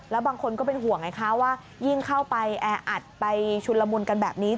แล้วบางคนก็เป็นห่วงไงคะว่ายิ่งเข้าไปแออัดไปชุนละมุนกันแบบนี้